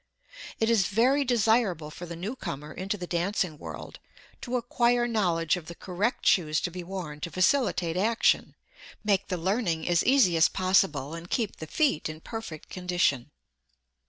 It is very desirable for the newcomer into the dancing world to acquire knowledge of the correct shoes to be worn to facilitate action, make the learning as easy as possible and keep the feet in perfect condition.